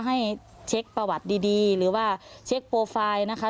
ให้เช็คประวัติดีหรือว่าเช็คโปรไฟล์นะคะ